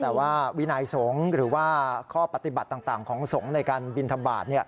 แต่ว่าวินัยสงฆ์หรือว่าข้อปฏิบัติต่างของสงฆ์ในการบินทบาท